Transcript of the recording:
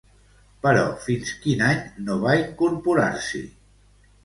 Però fins quin any no va incorporar-s'hi?